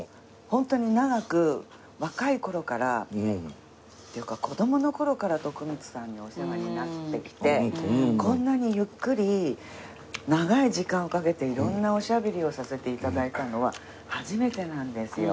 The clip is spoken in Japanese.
ホントに長く若い頃からっていうか子どもの頃から徳光さんにお世話になってきてこんなにゆっくり長い時間をかけて色んなおしゃべりをさせて頂いたのは初めてなんですよ。